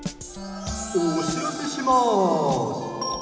おしらせします。